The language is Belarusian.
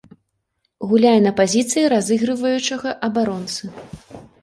Гуляе на пазіцыі разыгрываючага абаронцы.